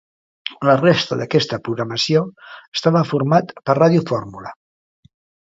La resta d'aquesta programació estava format per radiofórmula.